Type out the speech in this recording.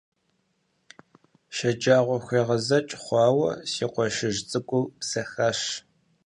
ШэджагъуэхуегъэзэкӀ хъуауэ си къуэшыжь цӀыкӀур бзэхащ.